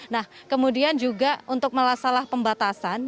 nah kemudian juga untuk malah salah pembatasan